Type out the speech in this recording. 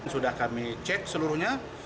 sudah kami cek seluruhnya